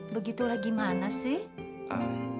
begitulah gimana sih